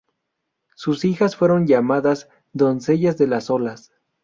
Sus hijas fueron llamadas "doncellas de las olas".